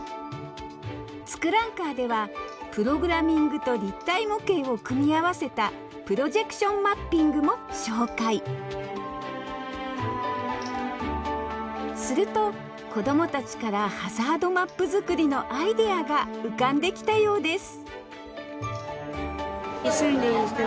「ツクランカー」ではプログラミングと立体模型を組み合わせたプロジェクションマッピングも紹介すると子供たちからハザードマップ作りのアイデアが浮かんできたようです